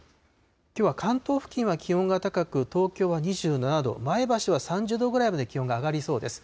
きょうは関東付近は気温が高く、東京は２７度、前橋は３０度ぐらいまで気温が上がりそうです。